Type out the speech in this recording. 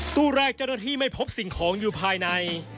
ตู้แรกเจ้าหน้าที่ไม่พบสิ่งของอยู่ภายใน